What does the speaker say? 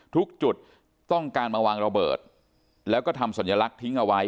ทุกจุดต้องการมาวางระเบิดแล้วก็ทำสัญลักษณ์ทิ้งเอาไว้